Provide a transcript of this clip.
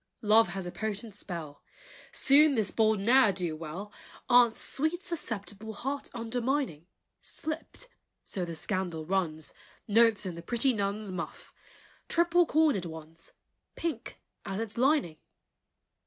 Love has a potent spell! Soon this bold ne'er do well, Aunt's sweet susceptible Heart undermining, Slipped, so the scandal runs, Notes in the pretty nun's Muff, triple cornered ones, Pink as its lining!